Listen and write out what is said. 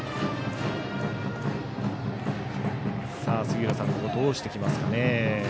杉浦さん、ここどうしてきますかね。